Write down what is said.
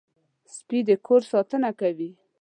سپي د کور ساتنه کوي.